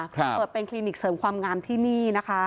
เปิดเป็นคลินิกเสริมความงามที่นี่นะคะ